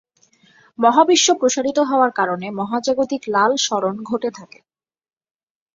মহাবিশ্ব প্রসারিত হওয়ার কারণে মহাজাগতিক লাল সরণ ঘটে থাকে।